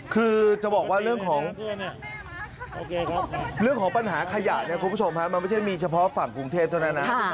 คือจะบอกว่าเรื่องของปัญหาขยะคุณผู้ชมครับมันไม่ใช่มีเฉพาะฝั่งกรุงเทพเท่านั้นนะ